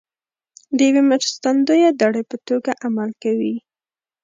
د یوې مرستندویه دړې په توګه عمل کوي